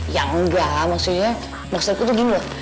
ya enggak maksudnya maksudku tuh gini loh